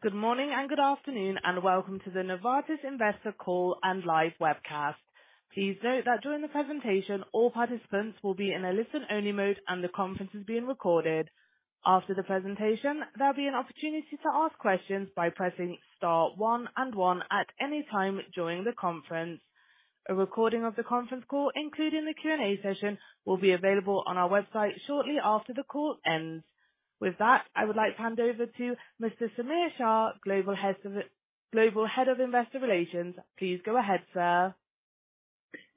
Good morning and good afternoon, and welcome to the Novartis Investor Call and Live Webcast. Please note that during the presentation, all participants will be in a listen-only mode and the conference is being recorded. After the presentation, there'll be an opportunity to ask questions by pressing star one and one at any time during the conference. A recording of the conference call, including the Q&A session, will be available on our website shortly after the call ends. With that, I would like to hand over to Mr. Samir Shah, Global Head of Investor Relations. Please go ahead, sir.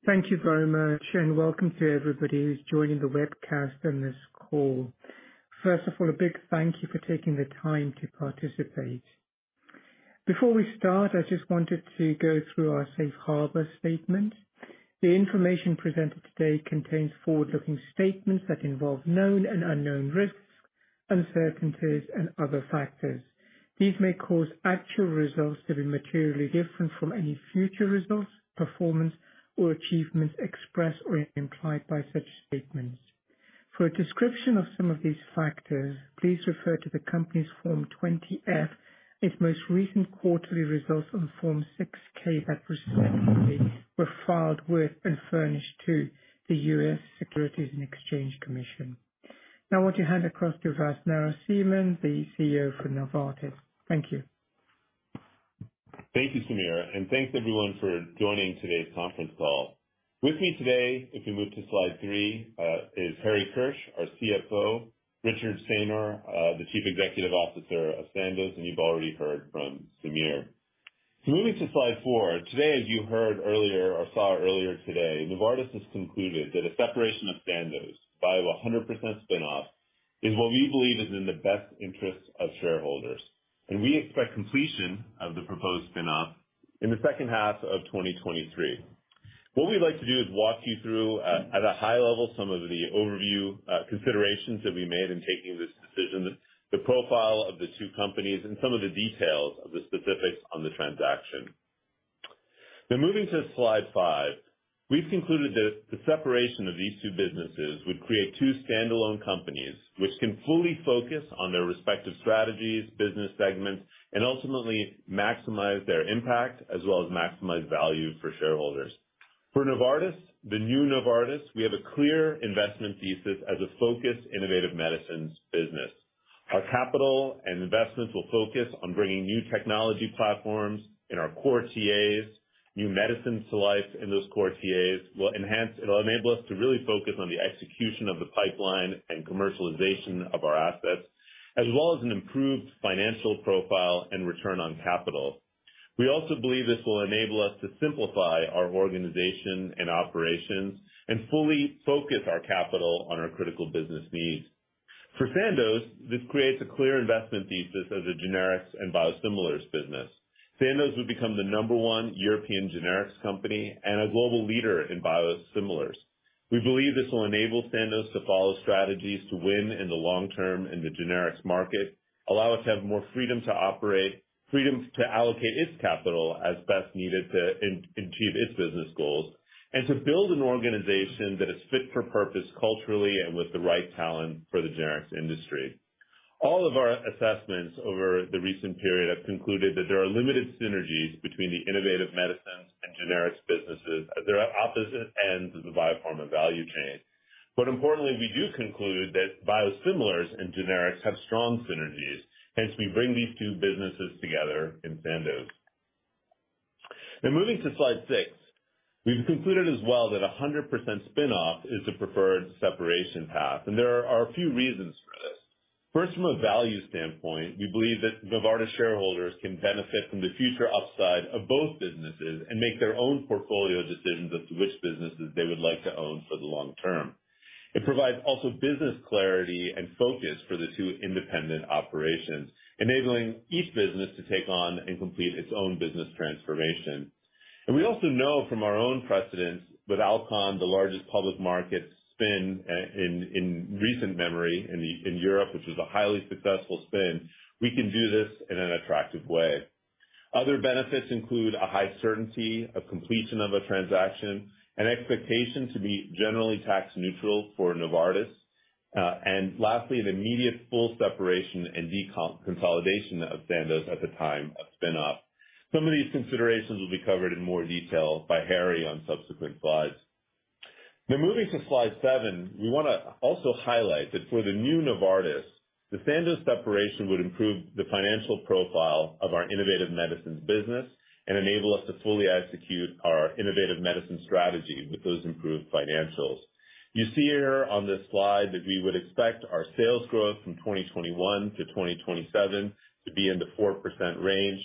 Thank you very much, and welcome to everybody who's joining the webcast and this call. First of all, a big thank you for taking the time to participate. Before we start, I just wanted to go through our safe harbor statement. The information presented today contains forward-looking statements that involve known and unknown risks, uncertainties, and other factors. These may cause actual results to be materially different from any future results, performance, or achievements expressed or implied by such statements. For a description of some of these factors, please refer to the company's Form 20-F, its most recent quarterly results on Form 6-K that respectively were filed with and furnished to the U.S. Securities and Exchange Commission. Now I want to hand across to Vas Narasimhan, the CEO for Novartis. Thank you. Thank you, Samir, and thanks everyone for joining today's conference call. With me today, if we move to slide three, is Harry Kirsch, our CFO, Richard Saynor, the Chief Executive Officer of Sandoz, and you've already heard from Samir. Moving to slide four. Today, as you heard earlier or saw earlier today, Novartis has concluded that a separation of Sandoz by a 100% spin-off is what we believe is in the best interest of shareholders, and we expect completion of the proposed spin-off in the second half of 2023. What we'd like to do is walk you through, at a high level, some of the overview considerations that we made in taking this decision, the profile of the two companies, and some of the details of the specifics on the transaction. Now moving to slide five. We've concluded that the separation of these two businesses would create two standalone companies which can fully focus on their respective strategies, business segments, and ultimately maximize their impact as well as maximize value for shareholders. For Novartis, the new Novartis, we have a clear investment thesis as a focused innovative medicines business. Our capital and investments will focus on bringing new technology platforms in our core TAs, new medicines to life in those core TAs. It'll enable us to really focus on the execution of the pipeline and commercialization of our assets, as well as an improved financial profile and return on capital. We also believe this will enable us to simplify our organization and operations and fully focus our capital on our critical business needs. For Sandoz, this creates a clear investment thesis as a generics and biosimilars business. Sandoz will become the number one European generics company and a global leader in biosimilars. We believe this will enable Sandoz to follow strategies to win in the long term in the generics market, allow us to have more freedom to operate, freedom to allocate its capital as best needed to achieve its business goals, and to build an organization that is fit for purpose culturally and with the right talent for the generics industry. All of our assessments over the recent period have concluded that there are limited synergies between the innovative medicines and generics businesses at their opposite ends of the biopharma value chain. Importantly, we do conclude that biosimilars and generics have strong synergies. Hence, we bring these two businesses together in Sandoz. Now moving to slide 6. We've concluded as well that 100% spin-off is the preferred separation path, and there are a few reasons for this. First, from a value standpoint, we believe that Novartis shareholders can benefit from the future upside of both businesses and make their own portfolio decisions as to which businesses they would like to own for the long term. It provides also business clarity and focus for the two independent operations, enabling each business to take on and complete its own business transformation. We also know from our own precedents with Alcon, the largest public market spin in recent memory in Europe, which was a highly successful spin. We can do this in an attractive way. Other benefits include a high certainty of completion of a transaction, an expectation to be generally tax neutral for Novartis, and lastly, an immediate full separation and deconsolidation of Sandoz at the time of spin-off. Some of these considerations will be covered in more detail by Harry on subsequent slides. Now moving to slide seven. We wanna also highlight that for the new Novartis, the Sandoz separation would improve the financial profile of our innovative medicines business and enable us to fully execute our innovative medicine strategy with those improved financials. You see here on this slide that we would expect our sales growth from 2021 to 2027 to be in the 4% range.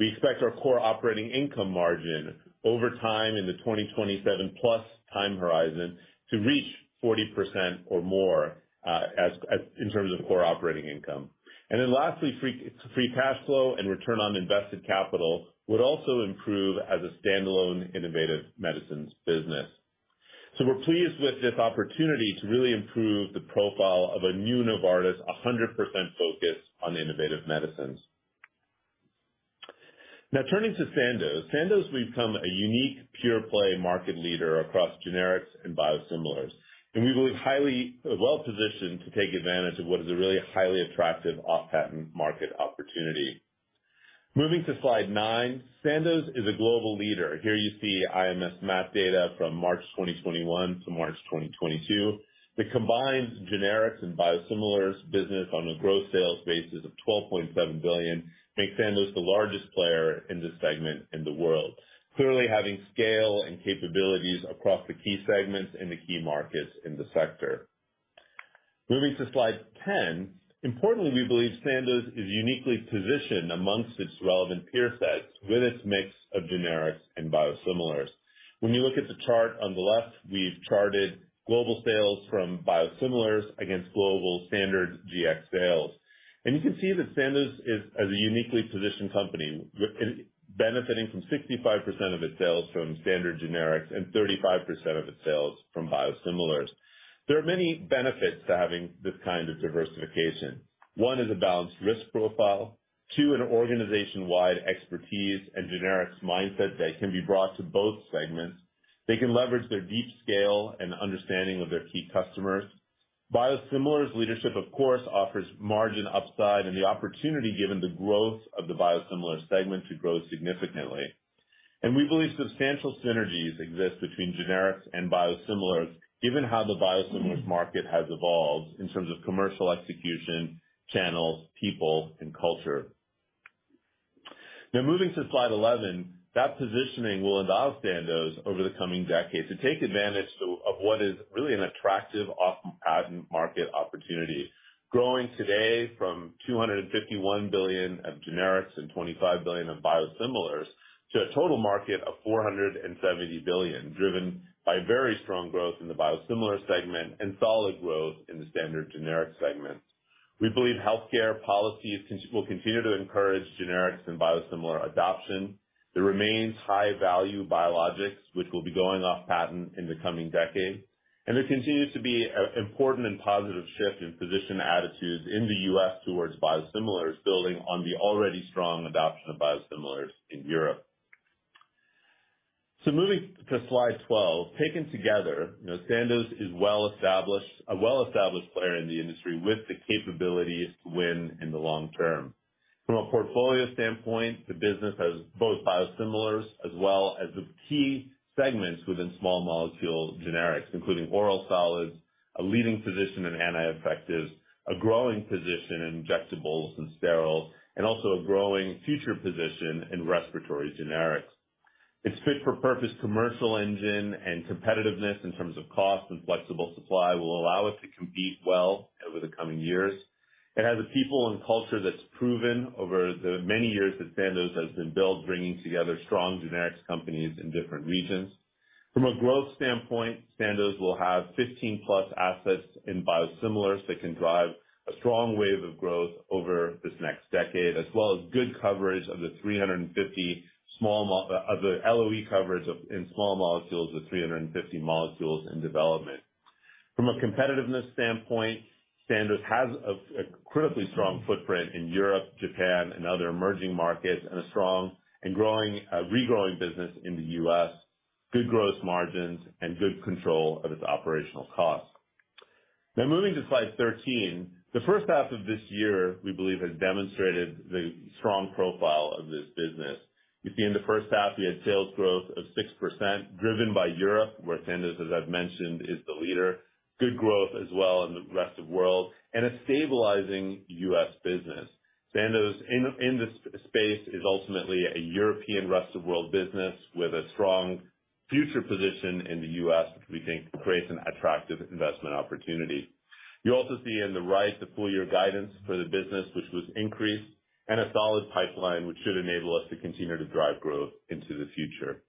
We expect our core operating income margin over time in the 2027+ time horizon to reach 40% or more in terms of core operating income. Lastly, free cash flow and return on invested capital would also improve as a standalone innovative medicines business. We're pleased with this opportunity to really improve the profile of a new Novartis, 100% focused on innovative medicines. Now turning to Sandoz. Sandoz, we've become a unique pure play market leader across generics and biosimilars, and we believe highly well-positioned to take advantage of what is a really highly attractive off-patent market opportunity. Moving to slide nine. Sandoz is a global leader. Here you see IQVIA MIDAS data from March 2021 to March 2022. The combined generics and biosimilars business on a gross sales basis of $12.7 billion makes Sandoz the largest player in this segment in the world, clearly having scale and capabilities across the key segments in the key markets in the sector. Moving to slide ten. Importantly, we believe Sandoz is uniquely positioned among its relevant peer sets with its mix of generics and biosimilars. When you look at the chart on the left, we've charted global sales from biosimilars against global standard GX sales. You can see that Sandoz is a uniquely positioned company benefiting from 65% of its sales from standard generics and 35% of its sales from biosimilars. There are many benefits to having this kind of diversification. One is a balanced risk profile. Two, an organization-wide expertise and generics mindset that can be brought to both segments. They can leverage their deep scale and understanding of their key customers. Biosimilars leadership, of course, offers margin upside and the opportunity, given the growth of the biosimilars segment, to grow significantly. We believe substantial synergies exist between generics and biosimilars, given how the biosimilars market has evolved in terms of commercial execution, channels, people and culture. Now moving to slide 11. That positioning will endow Sandoz over the coming decades to take advantage of what is really an attractive off-patent market opportunity, growing today from $251 billion of generics and $25 billion of biosimilars to a total market of $470 billion, driven by very strong growth in the biosimilar segment and solid growth in the standard generic segment. We believe healthcare policies will continue to encourage generics and biosimilar adoption. There remains high value biologics which will be going off patent in the coming decade. There continues to be an important and positive shift in physician attitudes in the U.S. towards biosimilars, building on the already strong adoption of biosimilars in Europe. Moving to slide 12. Taken together, you know, Sandoz is well established, a well-established player in the industry with the capabilities to win in the long term. From a portfolio standpoint, the business has both biosimilars as well as the key segments within small molecule generics, including oral solids, a leading position in anti-infectives, a growing position in injectables and steriles, and also a growing future position in respiratory generics. Its fit for purpose commercial engine and competitiveness in terms of cost and flexible supply will allow us to compete well over the coming years. It has a people and culture that's proven over the many years that Sandoz has been built, bringing together strong generics companies in different regions. From a growth standpoint, Sandoz will have 15+ assets in biosimilars that can drive a strong wave of growth over this next decade, as well as good coverage of the 350 small molecules, the LOE coverage of 350 molecules in development. From a competitiveness standpoint, Sandoz has a critically strong footprint in Europe, Japan and other emerging markets, and a strong and growing regrowing business in the U.S., good growth margins and good control of its operational costs. Now moving to slide 13. The first half of this year, we believe has demonstrated the strong profile of this business. You see in the first half, we had sales growth of 6% driven by Europe, where Sandoz, as I've mentioned, is the leader. Good growth as well in the rest of world and a stabilizing U.S. business. Sandoz in this space is ultimately a European rest of world business with a strong future position in the U.S., which we think creates an attractive investment opportunity. You also see on the right the full year guidance for the business, which was increased, and a solid pipeline, which should enable us to continue to drive growth into the future.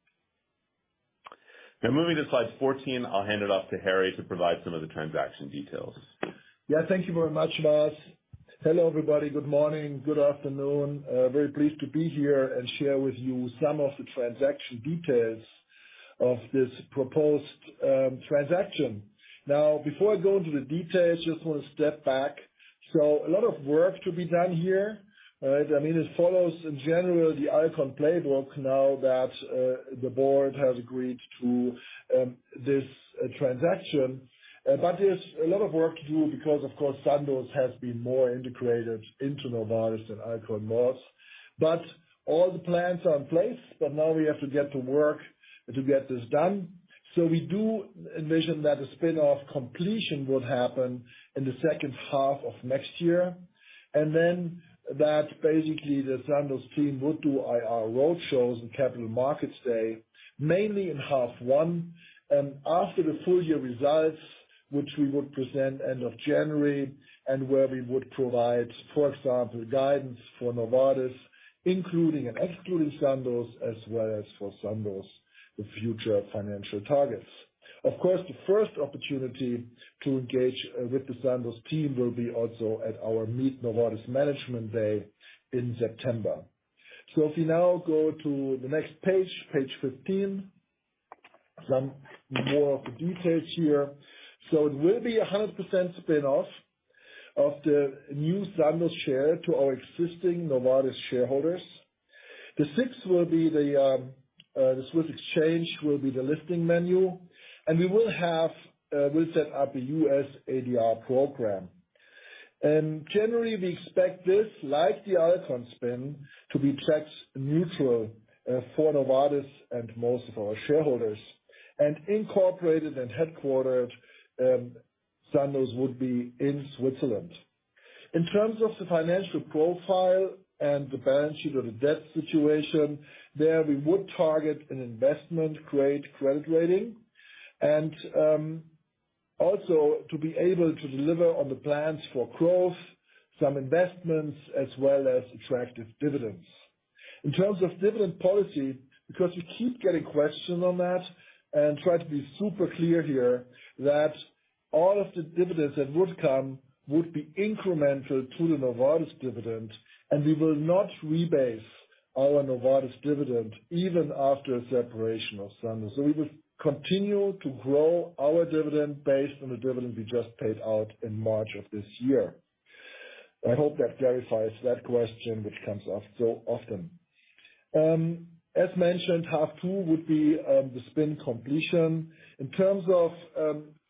Now moving to slide 14, I'll hand it off to Harry to provide some of the transaction details. Yeah, thank you very much, Vas. Hello, everybody. Good morning. Good afternoon. Very pleased to be here and share with you some of the transaction details of this proposed transaction. Now, before I go into the details, just want to step back. A lot of work to be done here. I mean, it follows in general the Alcon playbook now that the board has agreed to this transaction. There's a lot of work to do because of course Sandoz has been more integrated into Novartis than Alcon was. All the plans are in place. Now we have to get to work to get this done. We do envision that the spin-off completion would happen in the second half of next year, and then that basically the Sandoz team would do IR road shows and Capital Markets Day, mainly in half one. After the full year results, which we would present end of January, and where we would provide, for example, guidance for Novartis, including and excluding Sandoz as well as for Sandoz, the future financial targets. Of course, the first opportunity to engage with the Sandoz team will be also at our Meet Novartis Management Day in September. If you now go to the next page 15. Some more of the details here. It will be a 100% spin-off of the new Sandoz share to our existing Novartis shareholders. The SIX Swiss Exchange will be the listing venue. We will have, we'll set up a U.S. ADR program. Generally, we expect this, like the Alcon spin, to be tax neutral, for Novartis and most of our shareholders. Incorporated and headquartered, Sandoz would be in Switzerland. In terms of the financial profile and the balance sheet or the debt situation, there we would target an investment-grade credit rating and, also to be able to deliver on the plans for growth, some investments, as well as attractive dividends. In terms of dividend policy, because we keep getting questioned on that, and try to be super clear here that all of the dividends that would come would be incremental to the Novartis dividend, and we will not rebase our Novartis dividend even after separation of Sandoz. We will continue to grow our dividend based on the dividend we just paid out in March of this year. I hope that clarifies that question, which comes up so often. As mentioned, half II would be the spin completion. In terms of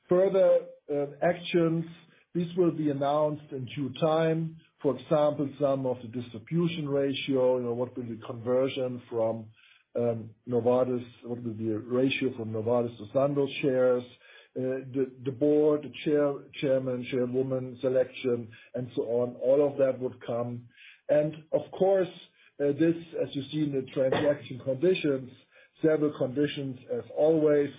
further actions, this will be announced in due time. For example, some of the distribution ratio, you know, what will be conversion from Novartis, what will be the ratio from Novartis to Sandoz shares, the board, the chairman, chairwoman selection, and so on, all of that would come. Of course, this, as you see in the transaction conditions, several conditions as always,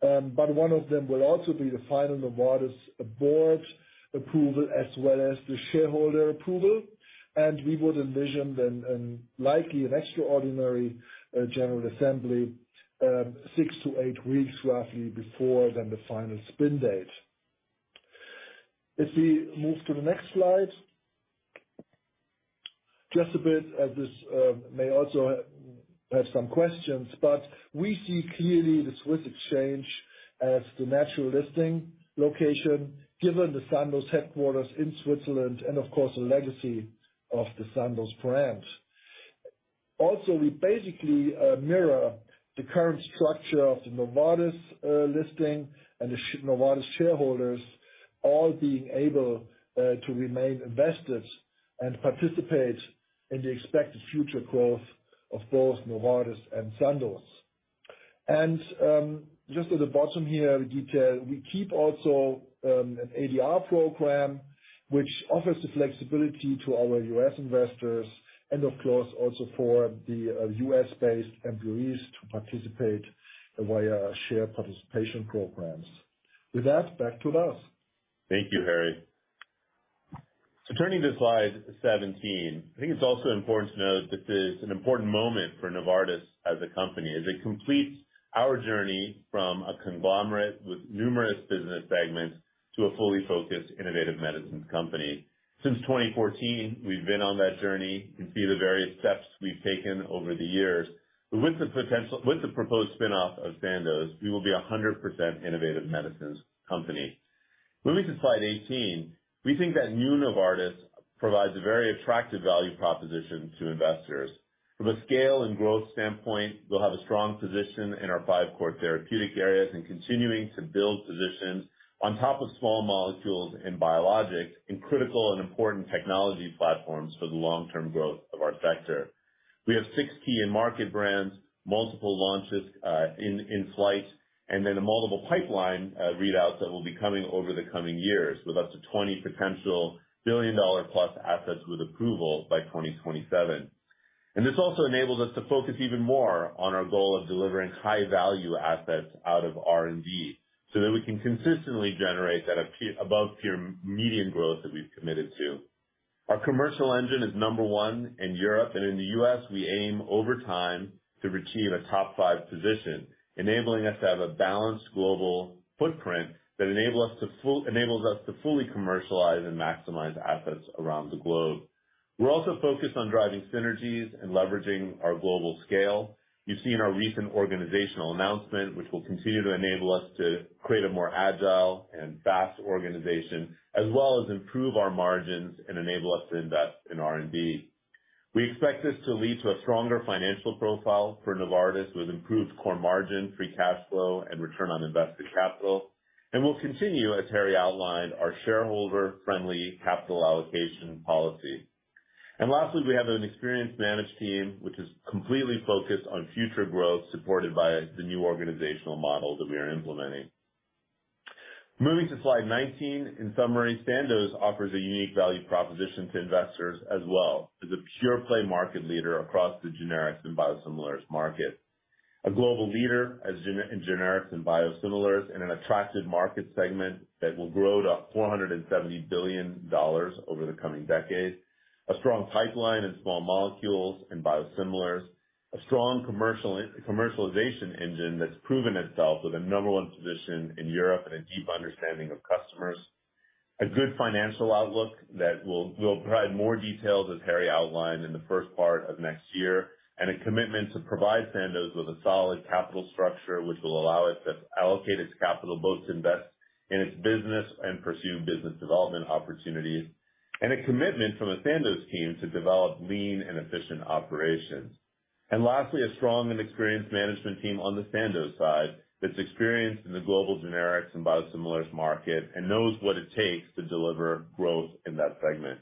but one of them will also be the final Novartis board approval as well as the shareholder approval. We would envision then and likely an extraordinary general assembly, 6-8 weeks roughly before that the final spin date. If we move to the next slide. Just a bit as this may also have some questions, but we see clearly the Swiss Exchange as the natural listing location, given the Sandoz headquarters in Switzerland and of course the legacy of the Sandoz brand. Also, we basically mirror the current structure of the Novartis listing and the Novartis shareholders all being able to remain invested and participate in the expected future growth of both Novartis and Sandoz. Just at the bottom here, the detail. We keep also an ADR program, which offers the flexibility to our U.S. investors and of course also for the U.S.-based employees to participate via share participation programs. With that, back to Vas Narasimhan. Thank you, Harry. Turning to slide 17, I think it's also important to note that this is an important moment for Novartis as a company, as it completes our journey from a conglomerate with numerous business segments to a fully focused innovative medicines company. Since 2014, we've been on that journey. You can see the various steps we've taken over the years. With the proposed spin-off of Sandoz, we will be a 100% innovative medicines company. Moving to slide 18, we think that new Novartis provides a very attractive value proposition to investors. From a scale and growth standpoint, we'll have a strong position in our five core therapeutic areas and continuing to build positions on top of small molecules and biologics in critical and important technology platforms for the long-term growth of our sector. We have six key end market brands, multiple launches in flight, and then multiple pipeline readouts that will be coming over the coming years with up to 20 potential billion-dollar-plus assets with approval by 2027. This also enables us to focus even more on our goal of delivering high-value assets out of R&D so that we can consistently generate that above peer median growth that we've committed to. Our commercial engine is number one in Europe and in the US, we aim over time to achieve a top five position, enabling us to have a balanced global footprint that enables us to fully commercialize and maximize assets around the globe. We're also focused on driving synergies and leveraging our global scale. You've seen our recent organizational announcement, which will continue to enable us to create a more agile and fast organization, as well as improve our margins and enable us to invest in R&D. We expect this to lead to a stronger financial profile for Novartis with improved core margin, free cash flow, and return on invested capital. We'll continue, as Harry Kirsch outlined, our shareholder-friendly capital allocation policy. Lastly, we have an experienced management team, which is completely focused on future growth supported by the new organizational model that we are implementing. Moving to slide 19. In summary, Sandoz offers a unique value proposition to investors as well as a pure play market leader across the generics and biosimilars market. A global leader in generics and biosimilars in an attractive market segment that will grow to $470 billion over the coming decade. A strong pipeline in small molecules and biosimilars. A strong commercialization engine that's proven itself with a number one position in Europe and a deep understanding of customers. A good financial outlook that we'll provide more details, as Harry outlined, in the first part of next year. A commitment to provide Sandoz with a solid capital structure which will allow it to allocate its capital both to invest in its business and pursue business development opportunities. A commitment from the Sandoz team to develop lean and efficient operations. Lastly, a strong and experienced management team on the Sandoz side that's experienced in the global generics and biosimilars market and knows what it takes to deliver growth in that segment.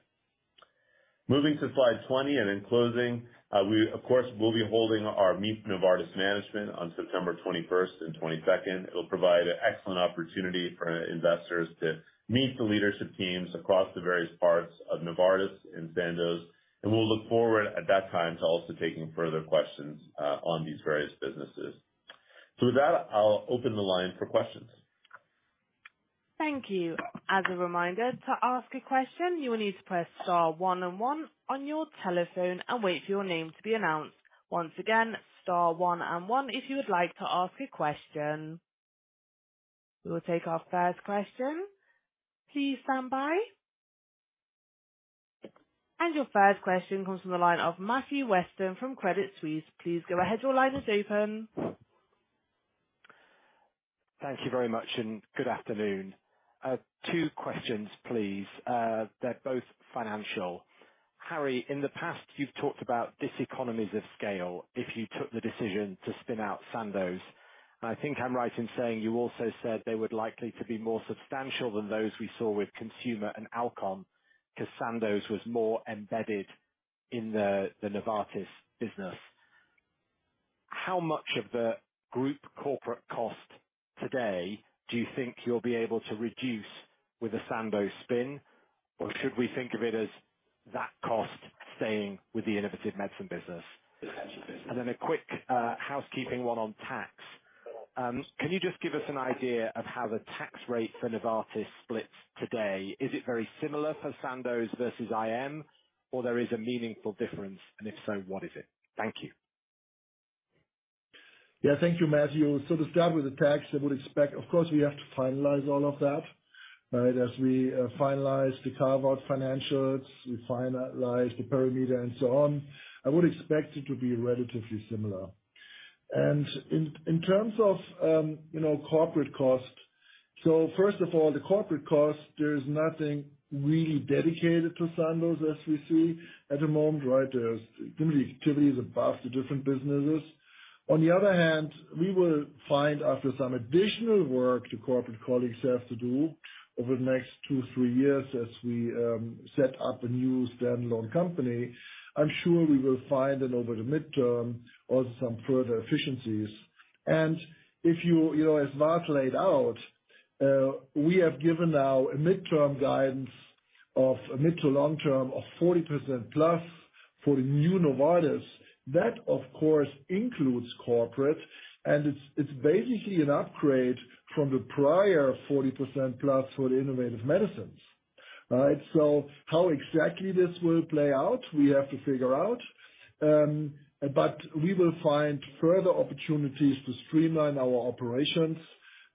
Moving to slide 20 and in closing, we of course will be holding our Meet Novartis Management on September twenty-first and twenty-second. It will provide an excellent opportunity for investors to meet the leadership teams across the various parts of Novartis and Sandoz, and we'll look forward at that time to also taking further questions, on these various businesses. With that, I'll open the line for questions. Thank you. As a reminder, to ask a question, you will need to press star one on one on your telephone and wait for your name to be announced. Once again, star one and one if you would like to ask a question. We will take our first question. Please stand by. Your first question comes from the line of Matthew Weston from Credit Suisse. Please go ahead. Your line is open. Thank you very much and good afternoon. Two questions, please. They're both financial. Harry, in the past, you've talked about diseconomies of scale if you took the decision to spin out Sandoz. I think I'm right in saying you also said they would likely to be more substantial than those we saw with consumer and outcome, 'cause Sandoz was more embedded in the Novartis business. How much of the group corporate cost today do you think you'll be able to reduce with the Sandoz spin? Or should we think of it as that cost staying with the Innovative Medicines business? A quick housekeeping one on tax. Can you just give us an idea of how the tax rate for Novartis splits today? Is it very similar for Sandoz versus IM or there is a meaningful difference? And if so, what is it? Thank you. Yeah. Thank you, Matthew. To start with the tax, I would expect. Of course, we have to finalize all of that, right? As we finalize the carve-out financials, we finalize the parameter and so on. I would expect it to be relatively similar. In terms of, you know, corporate cost. First of all, the corporate cost, there is nothing really dedicated to Sandoz as we see at the moment, right? There's generally activities across the different businesses. On the other hand, we will find after some additional work the corporate colleagues have to do over the next 2, 3 years as we set up a new standalone company. I'm sure we will find that over the mid-term also some further efficiencies. If you know, as Vas laid out, we have given now a midterm guidance of a mid- to long-term of 40%+ for the new Novartis. That of course includes corporate, and it's basically an upgrade from the prior 40%+ for the innovative medicines. All right. How exactly this will play out, we have to figure out. We will find further opportunities to streamline our operations,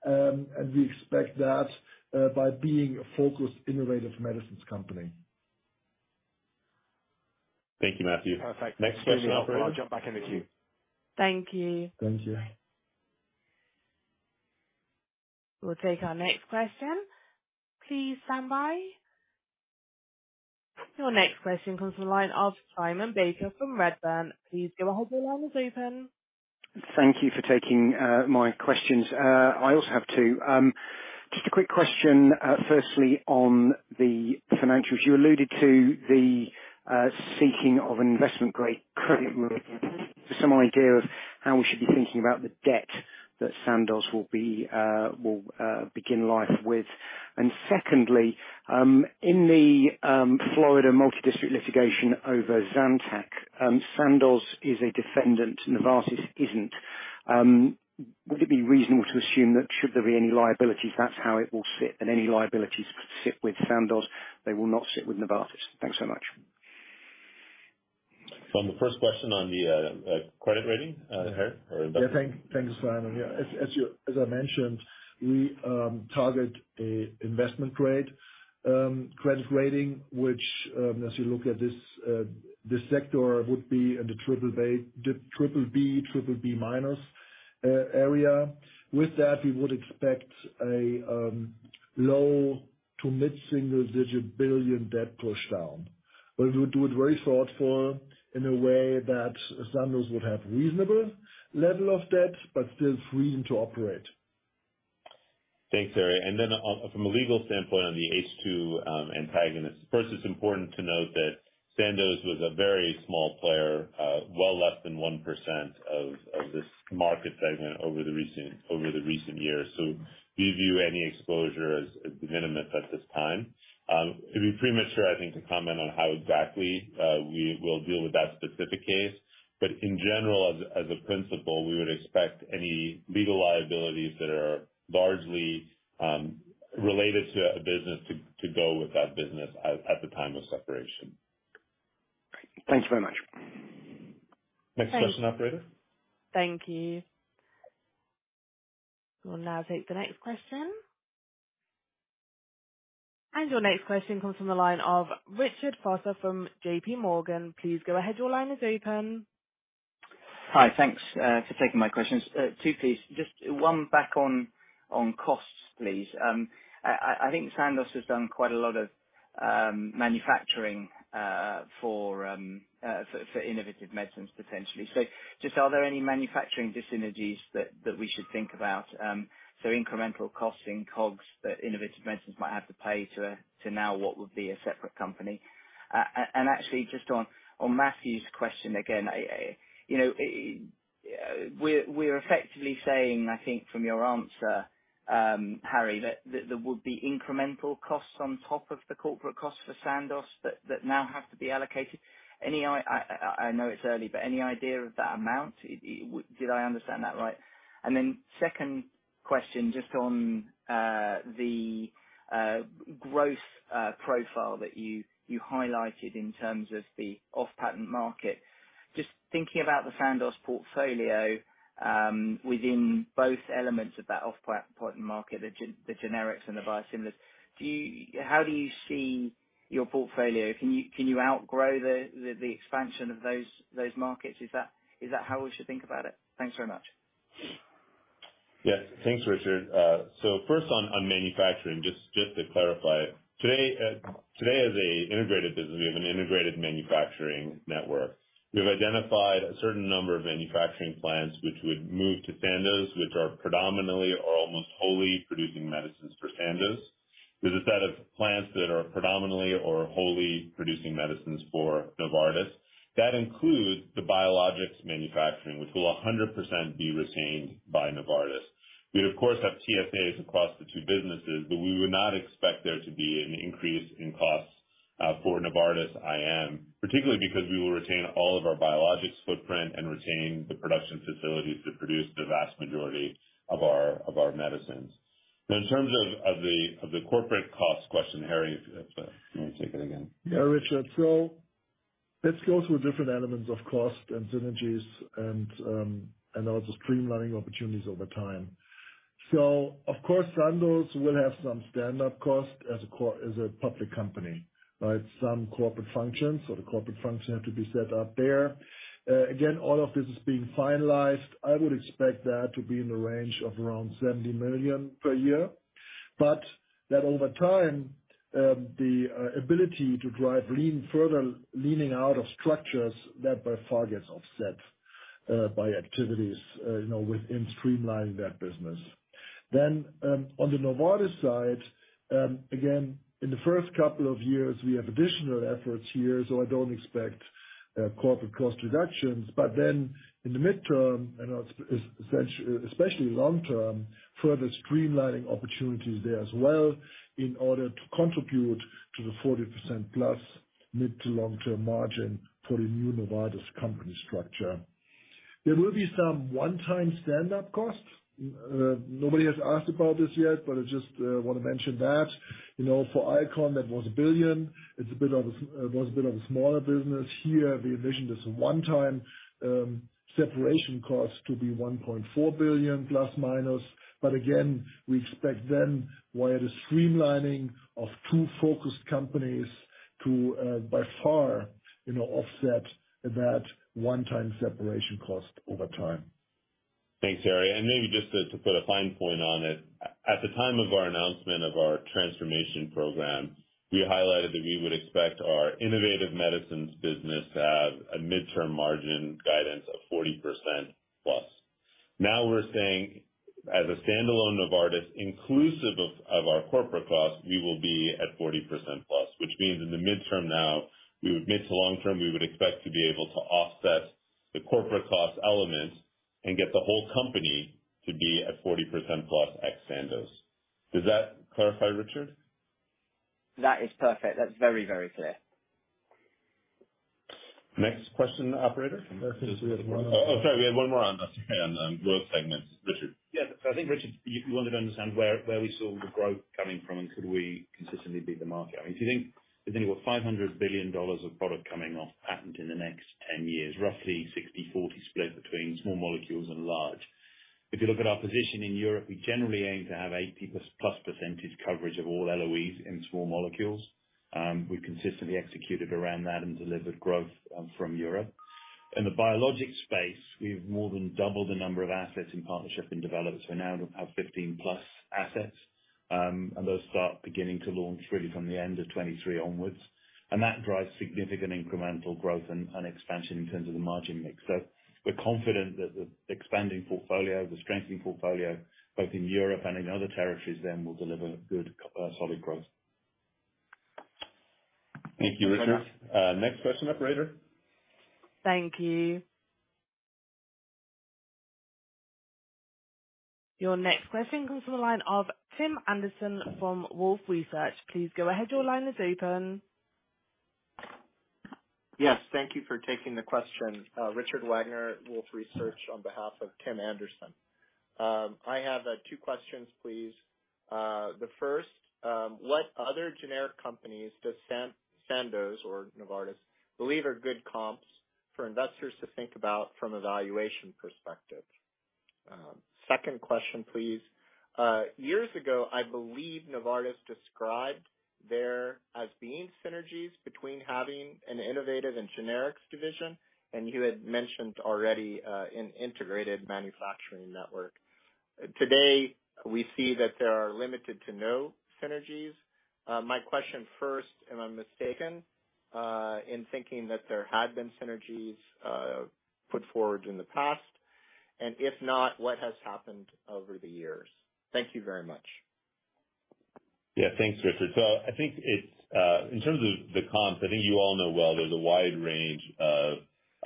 and we expect that, by being a focused innovative medicines company. Thank you, Matthew. Perfect. Next question, operator. I'll jump back in the queue. Thank you. Thank you. We'll take our next question. Please stand by. Your next question comes from the line of Simon Baker from Redburn. Please go ahead. Your line is open. Thank you for taking my questions. I also have two. Just a quick question, firstly on the financials. You alluded to the seeking of investment-grade credit rating. Some idea of how we should be thinking about the debt that Sandoz will begin life with. Secondly, in the Florida multi-district litigation over Zantac, Sandoz is a defendant, Novartis isn't. Would it be reasonable to assume that should there be any liabilities, that's how it will sit and any liabilities could sit with Sandoz, they will not sit with Novartis? Thanks so much. On the first question on the credit rating, Harry or Vas? Yeah. Thank you, Simon. Yeah. As I mentioned, we target an investment-grade credit rating, which, as you look at this sector would be in the BBB- area. With that, we would expect a low- to mid-single-digit $billion debt pushdown. We would do it very thoughtfully in a way that Sandoz would have reasonable level of debt, but still freedom to operate. Thanks, Harry. From a legal standpoint on the H2 antagonist. First, it's important to note that Sandoz was a very small player, well less than 1% of this market segment over the recent years. We view any exposure as de minimis at this time. It'd be premature, I think, to comment on how exactly we will deal with that specific case. In general, as a principle, we would expect any legal liabilities that are largely related to a business to go with that business at the time of separation. Thank you very much. Next question, operator. Thank you. We'll now take the next question. Your next question comes from the line of Richard Vosser from J.P. Morgan. Please go ahead. Your line is open. Hi. Thanks for taking my questions. Two please. Just one back on costs, please. I think Sandoz has done quite a lot of manufacturing for innovative medicines, potentially. So just are there any manufacturing dis-synergies that we should think about? So incremental costs in COGS that innovative medicines might have to pay to now what would be a separate company. Actually just on Matthew's question again. You know, we're effectively saying, I think from your answer, Harry, that there will be incremental costs on top of the corporate costs for Sandoz that now have to be allocated. I know it's early, but any idea of that amount? Did I understand that right? Second question, just on the gross profile that you highlighted in terms of the off-patent market. Just thinking about the Sandoz portfolio, within both elements of that off-patent market, the generics and the biosimilars, how do you see your portfolio? Can you outgrow the expansion of those markets? Is that how we should think about it? Thanks very much. Yes. Thanks, Richard. So first on manufacturing, just to clarify. Today as an integrated business, we have an integrated manufacturing network. We've identified a certain number of manufacturing plants which would move to Sandoz, which are predominantly or almost wholly producing medicines for Sandoz. There's a set of plants that are predominantly or wholly producing medicines for Novartis. That includes the biologics manufacturing, which will 100% be retained by Novartis. We'd of course have TSAs across the two businesses, but we would not expect there to be an increase in costs for Novartis IM, particularly because we will retain all of our biologics footprint and retain the production facilities that produce the vast majority of our medicines. Now, in terms of the corporate cost question, Harry, if you want to take it again. Yeah, Richard. Let's go through different elements of cost and synergies and also streamlining opportunities over time. Of course, Sandoz will have some stand-up costs as a public company, right? Some corporate functions. The corporate functions have to be set up there. Again, all of this is being finalized. I would expect that to be in the range of around 70 million per year, but that over time, the ability to drive lean further, leaning out of structures that by far gets offset by activities, you know, within streamlining that business. On the Novartis side, again, in the first couple of years, we have additional efforts here, so I don't expect corporate cost reductions. In the mid-term, especially long term, further streamlining opportunities there as well in order to contribute to the 40%+ mid- to long-term margin for the new Novartis company structure. There will be some one-time stand-up costs. Nobody has asked about this yet, but I just want to mention that. You know, for Alcon, that was $1 billion. It was a bit of a smaller business. Here we envision this one-time separation cost to be $1.4 billion ±. Again, we expect then via the streamlining of two focused companies to by far, you know, offset that one-time separation cost over time. Thanks, Harry. Maybe just to put a fine point on it. At the time of our announcement of our transformation program, we highlighted that we would expect our innovative medicines business to have a mid-term margin guidance of 40%+. Now we're saying as a standalone Novartis, inclusive of our corporate costs, we will be at 40%+, which means in the mid-term now, we would mid- to long-term, we would expect to be able to offset the corporate cost element and get the whole company to be at 40%+ ex Sandoz. Does that clarify, Richard? That is perfect. That's very, very clear. Next question, operator. I think there's one. Oh, sorry, we have one more on that, growth segments. Richard. Yeah. I think, Richard, you wanted to understand where we saw the growth coming from and could we consistently beat the market. I mean, if you think there's nearly $500 billion of product coming off patent in the next 10 years, roughly 60/40 split between small molecules and large. If you look at our position in Europe, we generally aim to have 80%+ coverage of all LOEs in small molecules. We've consistently executed around that and delivered growth from Europe. In the biologic space, we've more than doubled the number of assets in partnership and developed, so now we have 15+ assets. Those start beginning to launch really from the end of 2023 onwards. That drives significant incremental growth and expansion in terms of the margin mix. We're confident that the expanding portfolio, the strengthening portfolio both in Europe and in other territories then will deliver good, solid growth. Thank you, Richard. Next question, operator. Thank you. Your next question comes from the line of Tim Anderson from Wolfe Research. Please go ahead. Your line is open. Yes, thank you for taking the question. Richard Vosser at Wolfe Research on behalf of Tim Anderson. I have two questions, please. The first, what other generic companies does Sandoz or Novartis believe are good comps for investors to think about from a valuation perspective? Second question please. Years ago, I believe Novartis described there as being synergies between having an innovative and generics division, and you had mentioned already an integrated manufacturing network. Today, we see that there are limited to no synergies. My question first, am I mistaken in thinking that there had been synergies put forward in the past, and if not, what has happened over the years? Thank you very much. Yeah, thanks, Richard. I think it's in terms of the comps. I think you all know well there's a wide range of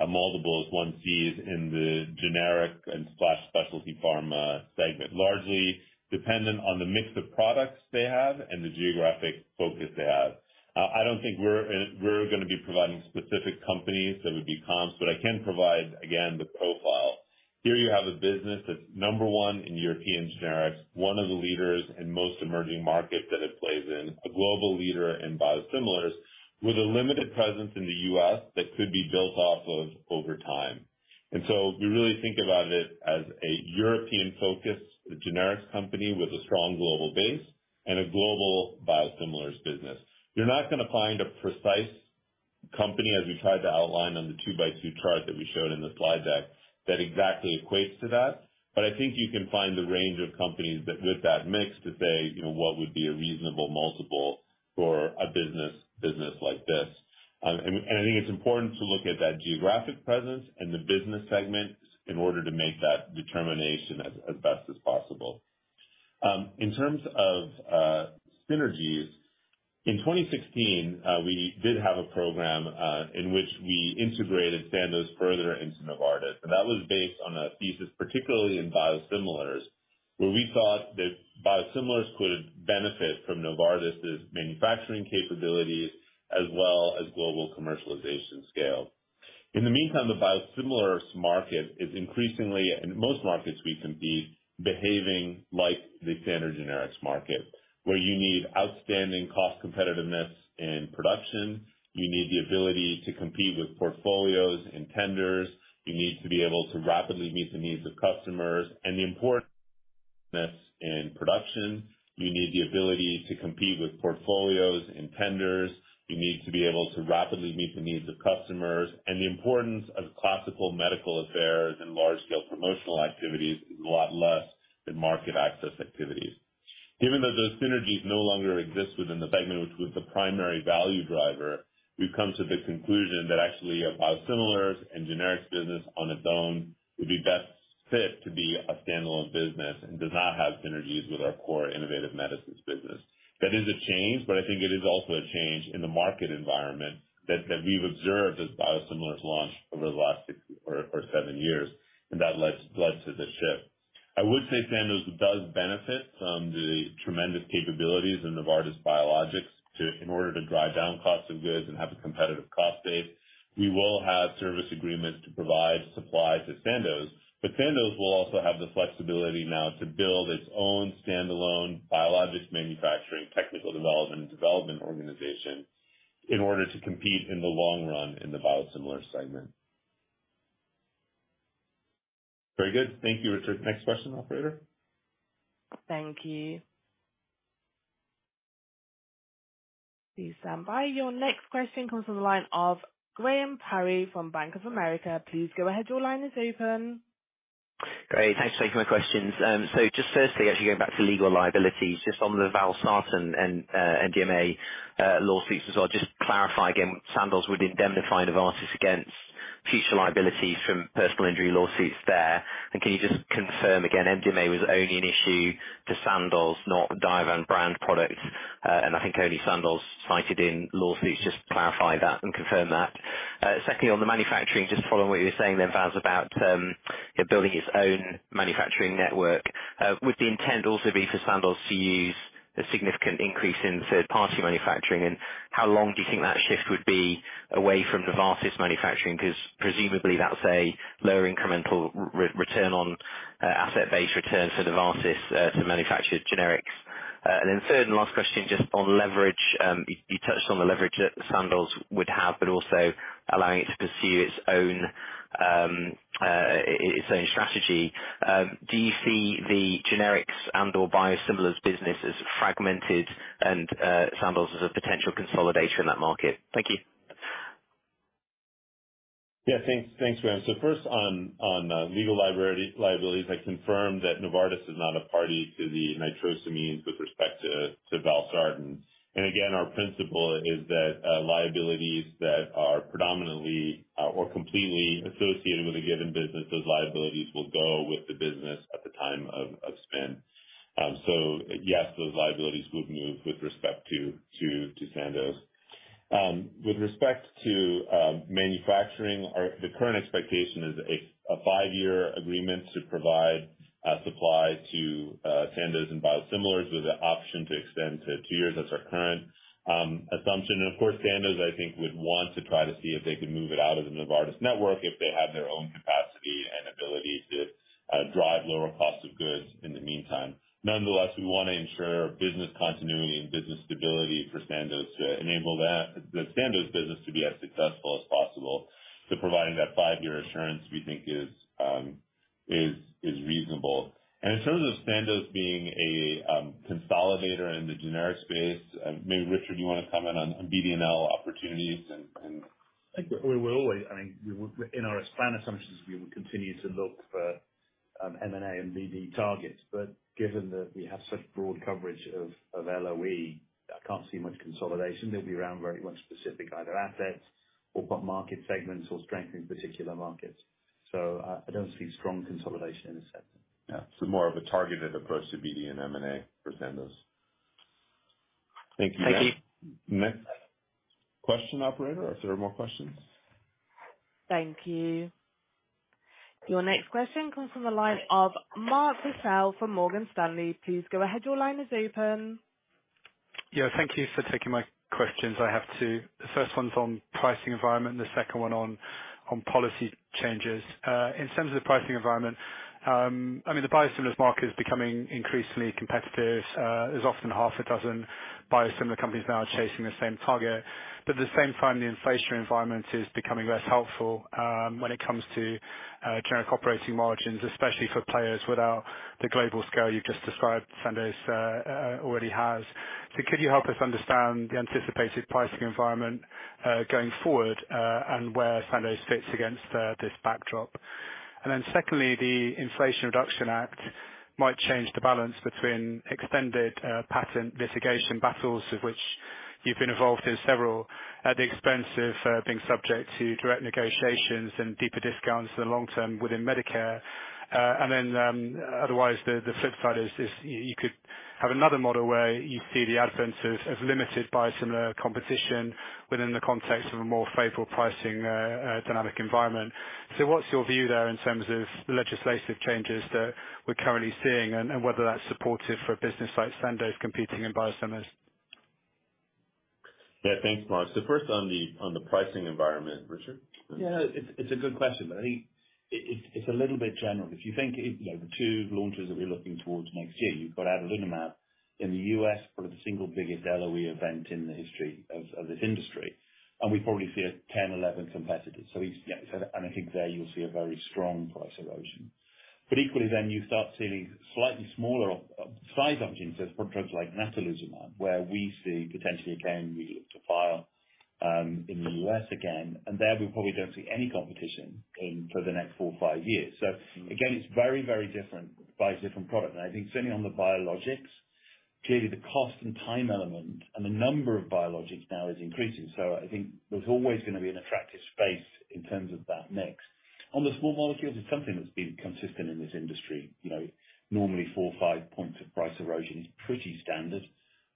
multiples one sees in the generic and slash specialty pharma segment, largely dependent on the mix of products they have and the geographic focus they have. I don't think we're gonna be providing specific companies that would be comps, but I can provide, again, the profile. Here you have a business that's number one in European generics, one of the leaders in most emerging markets that it plays in, a global leader in biosimilars with a limited presence in the U.S. that could be built off of over time. We really think about it as a European-focused generics company with a strong global base and a global biosimilars business. You're not gonna find a precise company as we tried to outline on the two-by-two chart that we showed in the slide deck that exactly equates to that. I think you can find the range of companies that with that mix to say, you know, what would be a reasonable multiple for a business like this. I think it's important to look at that geographic presence and the business segments in order to make that determination as best as possible. In terms of synergies, in 2016, we did have a program in which we integrated Sandoz further into Novartis. That was based on a thesis, particularly in biosimilars, where we thought that biosimilars could benefit from Novartis's manufacturing capabilities as well as global commercialization scale. In the meantime, the biosimilars market is increasingly, in most markets we compete, behaving like the standard generics market, where you need outstanding cost competitiveness in production, you need the ability to compete with portfolios and tenders, you need to be able to rapidly meet the needs of customers, and the importance of classical medical affairs and large scale promotional activities is a lot less than market access activities. Given that those synergies no longer exist within the segment which was the primary value driver, we've come to the conclusion that actually a biosimilars and generics business on its own would be best fit to be a standalone business and does not have synergies with our core innovative medicines business. That is a change, but I think it is also a change in the market environment that we've observed as biosimilars launch over the last six or seven years, and that led to this shift. I would say Sandoz does benefit from the tremendous capabilities in Novartis biologics to in order to drive down costs of goods and have a competitive cost base. We will have service agreements to provide supplies to Sandoz, but Sandoz will also have the flexibility now to build its own standalone biologics manufacturing, technical development, and development organization in order to compete in the long run in the biosimilar segment. Very good. Thank you, Richard. Next question, operator. Thank you. Please stand by. Your next question comes from the line of Graham Parry from Bank of America. Please go ahead. Your line is open. Great. Thanks for taking my questions. So just firstly, actually going back to legal liabilities, just on the valsartan and NDMA lawsuits as well, just clarify again, Sandoz would indemnify Novartis against future liabilities from personal injury lawsuits there. Can you just confirm again, NDMA was only an issue to Sandoz, not Diovan brand products. And I think only Sandoz cited in lawsuits. Just clarify that and confirm that. Secondly, on the manufacturing, just following what you were saying then, Vas, about building its own manufacturing network. Would the intent also be for Sandoz to use a significant increase in third-party manufacturing? And how long do you think that shift would be away from Novartis manufacturing? Because presumably that's a lower incremental return on asset base return for Novartis to manufacture generics. Third and last question, just on leverage. You touched on the leverage that Sandoz would have, but also allowing it to pursue its own strategy. Do you see the generics and/or biosimilars business as fragmented and Sandoz as a potential consolidator in that market? Thank you. Yeah. Thanks, Graham. First on legal liabilities, I confirm that Novartis is not a party to the nitrosamines with respect to valsartan. Again, our principle is that liabilities that are predominantly or completely associated with a given business, those liabilities will go with the business at the time of spin. Yes, those liabilities would move with respect to Sandoz. With respect to manufacturing, the current expectation is a five-year agreement to provide supply to Sandoz and biosimilars with the option to extend to two years. That's our current assumption. Of course, Sandoz, I think would want to try to see if they could move it out of the Novartis network if they have their own capacity and ability to drive lower cost of goods in the meantime. Nonetheless, we want to ensure business continuity and business stability for Sandoz to enable that, the Sandoz business to be as successful as possible. Providing that five-year assurance we think is reasonable. In terms of Sandoz being a consolidator in the generic space, maybe Richard, you want to comment on BD&L opportunities. I think in our plan assumptions, we will continue to look for M&A and BD targets. But given that we have such broad coverage of LOE, I can't see much consolidation. They'll be very much specific to either assets or to market segments or strength in particular markets. I don't see strong consolidation in this sector. Yeah. More of a targeted approach to BD and M&A for Sandoz. Thank you. Thank you. Next question, operator, or if there are more questions. Thank you. Your next question comes from the line of Mark Purcell from Morgan Stanley. Please go ahead. Your line is open. Yeah. Thank you for taking my questions. I have two. The first one's on pricing environment, and the second one on policy changes. In terms of the pricing environment, I mean, the biosimilars market is becoming increasingly competitive. There's often half a dozen biosimilar companies now chasing the same target. But at the same time, the inflation environment is becoming less helpful when it comes to generic operating margins, especially for players without the global scale you've just described Sandoz already has. So could you help us understand the anticipated pricing environment going forward, and where Sandoz fits against this backdrop? Secondly, the Inflation Reduction Act might change the balance between extended patent litigation battles, of which you've been involved in several, at the expense of being subject to direct negotiations and deeper discounts in the long term within Medicare. Otherwise, the flip side is you could have another model where you see the advent of limited biosimilar competition within the context of a more favorable pricing dynamic environment. What's your view there in terms of legislative changes that we're currently seeing and whether that's supportive for a business like Sandoz competing in biosimilars? Yeah. Thanks, Mark. First on the pricing environment, Richard? It's a good question. I think it's a little bit general. If you think, you know, the two launches that we're looking towards next year, you've got adalimumab in the U.S., probably the single biggest LOE event in the history of this industry, and we probably see 10, 11 competitors. I think there you'll see a very strong price erosion. Equally then, you start seeing slightly smaller size opportunities for drugs like natalizumab, where we see potentially, again, we look to file in the U.S. again, and there we probably don't see any competition in for the next four or five years. It's very, very different by different product. I think certainly on the biologics, clearly the cost and time element and the number of biologics now is increasing. I think there's always gonna be an attractive space in terms of that mix. On the small molecules, it's something that's been consistent in this industry. You know, normally four or five points of price erosion is pretty standard,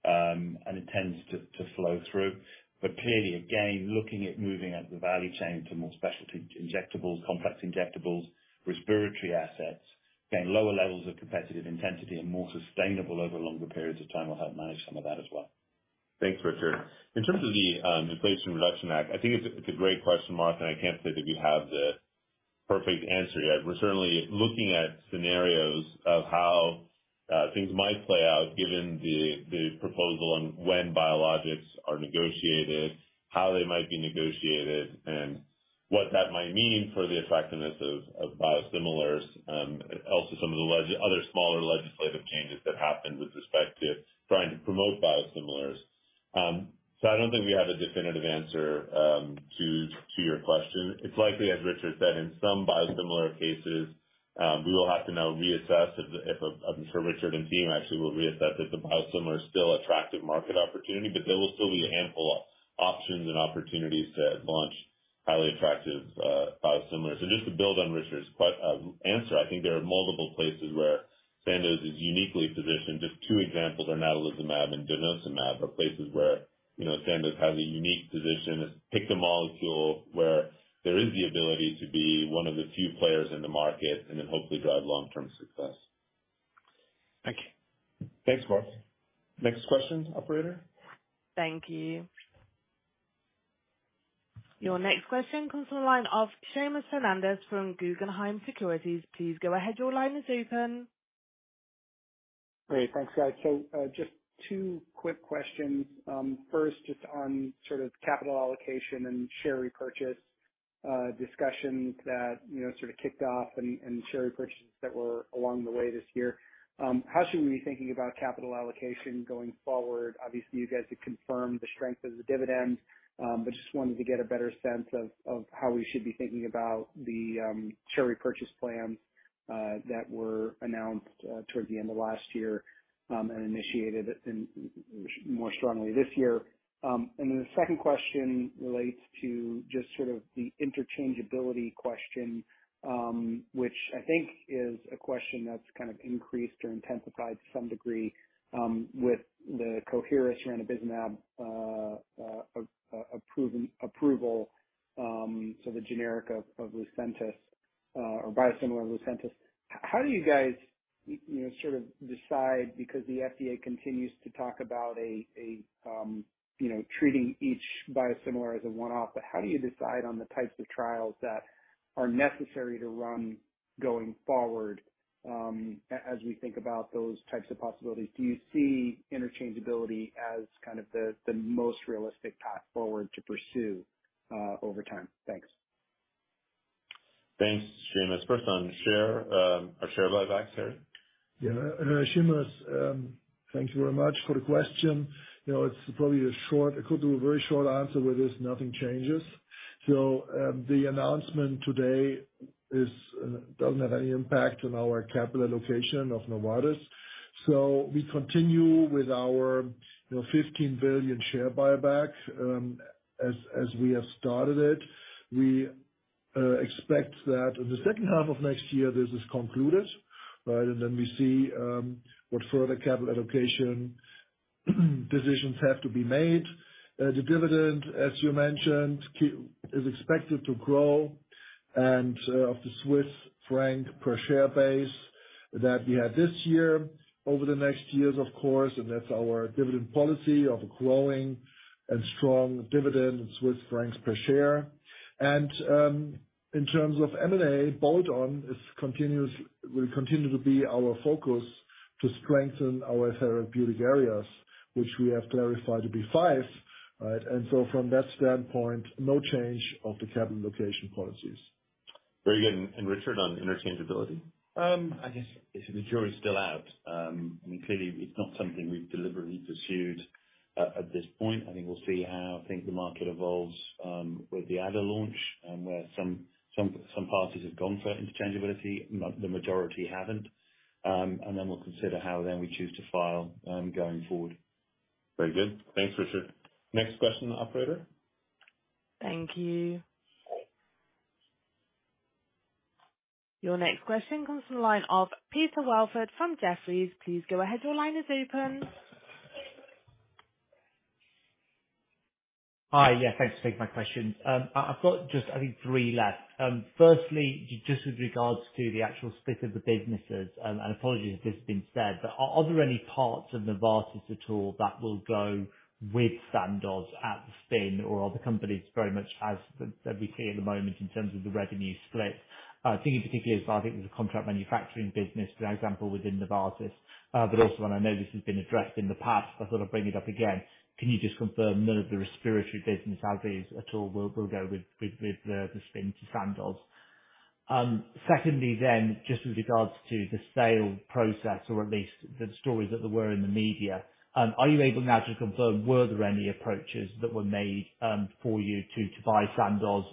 and it tends to flow through. But clearly, again, looking at moving up the value chain to more specialty injectables, complex injectables, respiratory assets, again, lower levels of competitive intensity and more sustainable over longer periods of time will help manage some of that as well. Thanks, Richard. In terms of the Inflation Reduction Act, I think it's a great question, Mark, and I can't say that we have the perfect answer yet. We're certainly looking at scenarios of how things might play out given the proposal on when biologics are negotiated, how they might be negotiated, and what that might mean for the effectiveness of biosimilars, also some of the other smaller legislative changes that happened with respect to trying to promote biosimilars. I don't think we have a definitive answer to your question. It's likely, as Richard said, in some biosimilar cases, we will have to now reassess if I'm sure Richard and team actually will reassess if the biosimilar is still attractive market opportunity. There will still be ample options and opportunities to launch highly attractive biosimilars. Just to build on Richard's answer, I think there are multiple places where Sandoz is uniquely positioned. Just two examples are natalizumab and denosumab are places where, you know, Sandoz has a unique position to pick the molecule where there is the ability to be one of the few players in the market and then hopefully drive long-term success. Thank you. Thanks, Mark. Next question, operator. Thank you. Your next question comes from the line of Seamus Fernandez from Guggenheim Securities. Please go ahead. Your line is open. Great. Thanks, guys. Just two quick questions. First, just on sort of capital allocation and share repurchase discussions that, you know, sort of kicked off and share repurchases that were along the way this year. How should we be thinking about capital allocation going forward? Obviously, you guys have confirmed the strength of the dividend, but just wanted to get a better sense of how we should be thinking about the share repurchase plans that were announced towards the end of last year and initiated more strongly this year. The second question relates to just sort of the interchangeability question, which I think is a question that's kind of increased or intensified to some degree, with the Coherus ranibizumab approval, so the generic of Lucentis, or biosimilar Lucentis. How do you guys? You know, sort of decide because the FDA continues to talk about a, you know, treating each biosimilar as a one-off. But how do you decide on the types of trials that are necessary to run going forward, as we think about those types of possibilities? Do you see interchangeability as kind of the most realistic path forward to pursue, over time? Thanks. Thanks, Seamus. First on shares, our share buyback, Harry? Yeah, Seamus, thank you very much for the question. You know, it's probably a very short answer with this: nothing changes. The announcement today doesn't have any impact on our capital allocation of Novartis. We continue with our, you know, 15 billion share buyback, as we have started it. We expect that in the second half of next year, this is concluded, right? Then we see what further capital allocation decisions have to be made. The dividend, as you mentioned, is expected to grow and, on the Swiss franc per share base that we had this year over the next years, of course, and that's our dividend policy of a growing and strong dividend in Swiss francs per share. In terms of M&A, bolt-on will continue to be our focus to strengthen our therapeutic areas, which we have clarified to be five, right? From that standpoint, no change of the capital allocation policies. Very good. Richard, on interchangeability? I guess the jury's still out. I mean, clearly it's not something we've deliberately pursued at this point. I think we'll see how the market evolves with the adalimumab launch and where some parties have gone for interchangeability, but the majority haven't. We'll consider how we choose to file going forward. Very good. Thanks, Richard. Next question, operator. Thank you. Your next question comes from the line of Peter Welford from Jefferies. Please go ahead. Your line is open. Hi. Yeah, thanks for taking my question. I've got just, I think, three left. Firstly, just with regards to the actual split of the businesses, and apologies if this has been said, but are there any parts of Novartis at all that will go with Sandoz at the spin or are the companies very much as we see at the moment in terms of the revenue split? Thinking particularly if I think it was a contract manufacturing business, for example, within Novartis. But also, and I know this has been addressed in the past, I thought I'd bring it up again. Can you just confirm none of the respiratory business, as is, at all, will go with the spin to Sandoz? Secondly, just with regards to the sale process or at least the stories that there were in the media, are you able now to confirm were there any approaches that were made for you to buy Sandoz?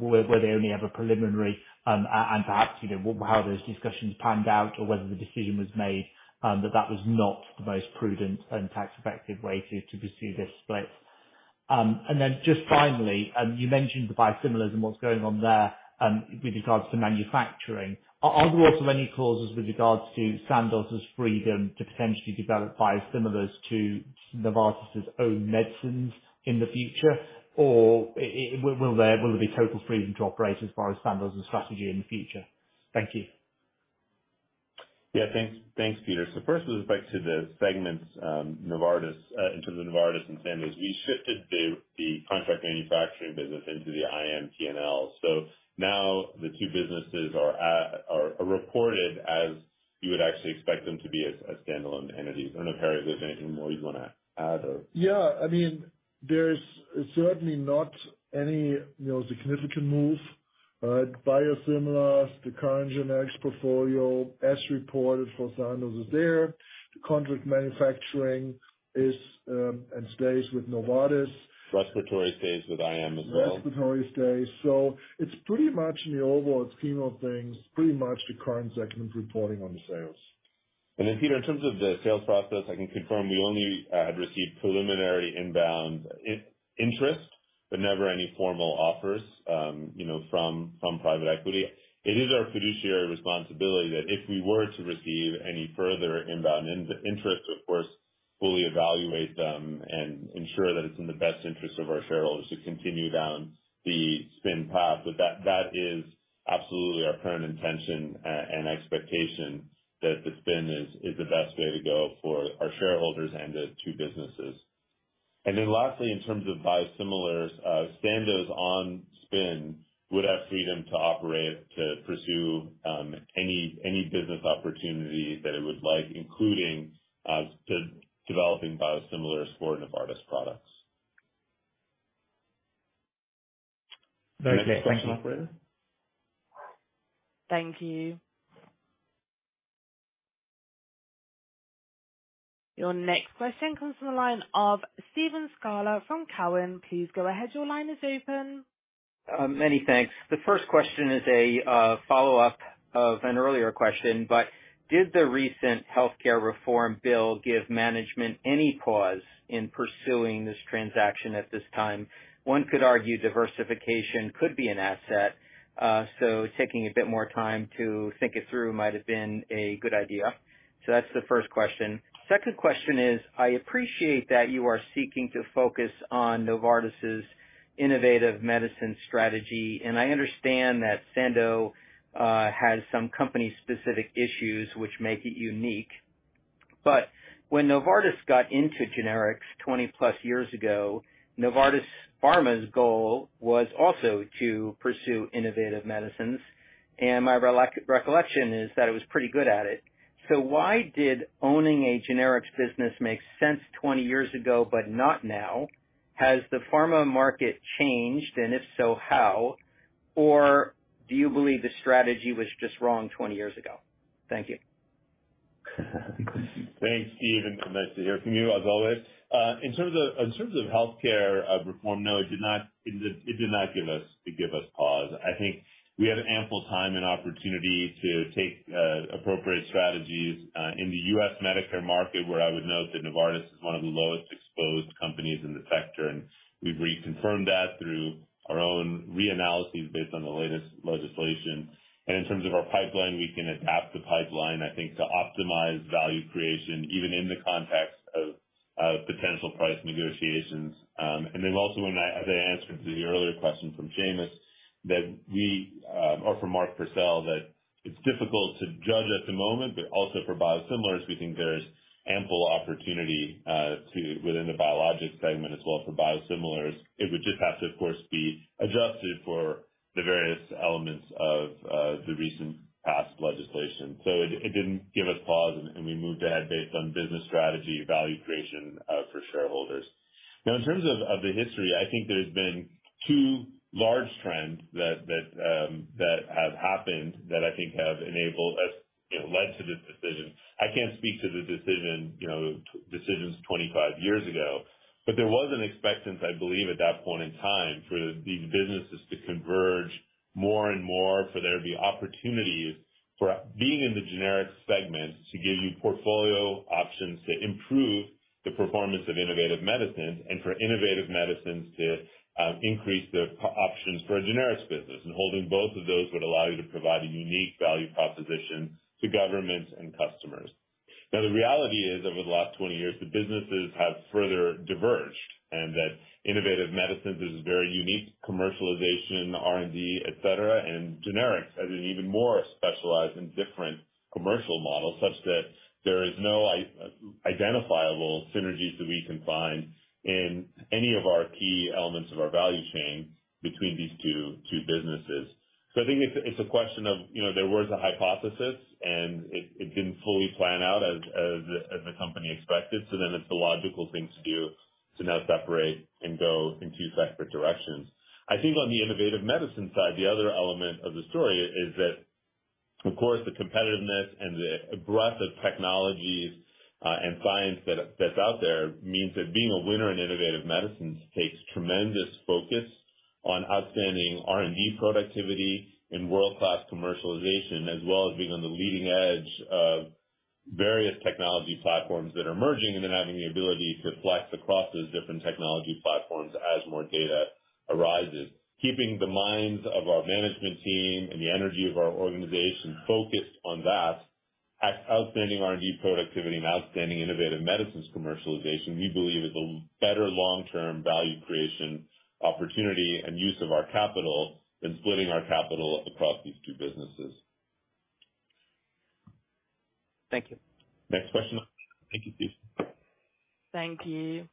Were they only ever preliminary? And perhaps, you know, how those discussions panned out or whether the decision was made that was not the most prudent and tax-effective way to pursue this split. And then just finally, you mentioned the biosimilars and what's going on there with regards to manufacturing. Are there also any clauses with regards to Sandoz's freedom to potentially develop biosimilars to Novartis' own medicines in the future? Or will there be total freedom to operate as far as Sandoz's strategy in the future? Thank you. Yeah, thanks. Thanks, Peter. First with respect to the segments, Novartis, in terms of Novartis and Sandoz, we shifted the contract manufacturing business into the IM P&L. Now the two businesses are reported as you would actually expect them to be as standalone entities. I don't know, Harry, if there's anything more you'd want to add or? Yeah. I mean, there's certainly not any, you know, significant moves. Biosimilars, the current generics portfolio as reported for Sandoz is there. The contract manufacturing is and stays with Novartis. Respiratory stays with IM as well. Respiratory stays. It's pretty much in the overall scheme of things, pretty much the current segment reporting on the sales. Peter, in terms of the sales process, I can confirm we only had received preliminary inbound interest, but never any formal offers, you know, from private equity. It is our fiduciary responsibility that if we were to receive any further inbound interest, of course, fully evaluate them and ensure that it's in the best interest of our shareholders to continue down the spin path. That is absolutely our current intention and expectation, that the spin is the best way to go for our shareholders and the two businesses. Lastly, in terms of biosimilars, Sandoz on spin would have freedom to operate, to pursue any business opportunity that it would like, including developing biosimilars for Novartis products. Very clear. Thank you. Next question, operator. Thank you. Your next question comes from the line of Steven Scala from Cowen. Please go ahead. Your line is open. Many thanks. The first question is a follow-up of an earlier question, but did the recent healthcare reform bill give management any pause in pursuing this transaction at this time? One could argue diversification could be an asset, so taking a bit more time to think it through might have been a good idea. That's the first question. Second question is, I appreciate that you are seeking to focus on Novartis' innovative medicine strategy, and I understand that Sandoz has some company-specific issues which make it unique. When Novartis got into generics 20-plus years ago, Novartis Pharmaceuticals's goal was also to pursue innovative medicines, and my recollection is that it was pretty good at it. Why did owning a generics business make sense 20 years ago, but not now? Has the pharma market changed? And if so, how? Or do you believe the strategy was just wrong 20 years ago? Thank you. Thanks, Steve, and nice to hear from you as always. In terms of healthcare reform, no, it did not give us pause. I think we had ample time and opportunity to take appropriate strategies in the U.S. Medicare market, where I would note that Novartis is one of the lowest exposed companies in the sector, and we've reconfirmed that through our own reanalysis based on the latest legislation. In terms of our pipeline, we can adapt the pipeline, I think, to optimize value creation, even in the context of potential price negotiations. As I answered to the earlier question from Seamus, or from Mark Purcell, that it's difficult to judge at the moment, but also for biosimilars, we think there's ample opportunity within the biologics segment as well for biosimilars. It would just have to, of course, be adjusted for the various elements of the recent passed legislation. It didn't give us pause, and we moved ahead based on business strategy, value creation for shareholders. Now, in terms of the history, I think there's been two large trends that have happened that I think have enabled us, you know, led to this decision. I can't speak to the decision, you know, decisions 25 years ago. There was an expectancy, I believe, at that point in time for these businesses to converge more and more, for there to be opportunities for being in the generics segment to give you portfolio options to improve the performance of innovative medicines and for innovative medicines to increase the portfolio options for a generics business. Holding both of those would allow you to provide a unique value proposition to governments and customers. Now, the reality is, over the last 20 years, the businesses have further diverged, and that innovative medicines is a very unique commercialization, R&D, et cetera, and generics as an even more specialized and different commercial model, such that there is no identifiable synergies that we can find in any of our key elements of our value chain between these two businesses. I think it's a question of, you know, there was a hypothesis and it didn't fully plan out as the company expected. It's the logical thing to do to now separate and go in two separate directions. I think on the innovative medicine side, the other element of the story is that, of course, the competitiveness and the breadth of technologies and science that's out there means that being a winner in innovative medicines takes tremendous focus on outstanding R&D productivity and world-class commercialization, as well as being on the leading edge of various technology platforms that are emerging and then having the ability to flex across those different technology platforms as more data arises. Keeping the minds of our management team and the energy of our organization focused on that outstanding R&D productivity and outstanding innovative medicines commercialization, we believe is a better long-term value creation opportunity and use of our capital than splitting our capital across these two businesses. Thank you. Next question. Thank you, Steve. Thank you.